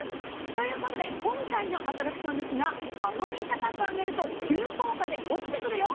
ということで今回のアトラクションですがあまり高く上げると急降下で落ちてくるよ！